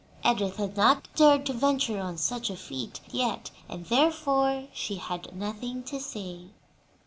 Edith had not dared to venture on such a feat yet, and therefore she had nothing to say.